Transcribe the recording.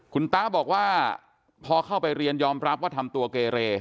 คุณตาบอกว่าพอเข้าไปเรียนยอมรับว่าทำตัวเกเร